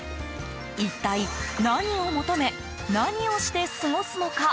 一体何を求め何をして過ごすのか？